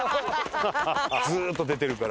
ずっと出てるから。